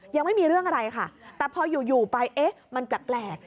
ยังไม่มีเรื่องอะไรค่ะแต่พออยู่ไปเอ๊ะมันแปลก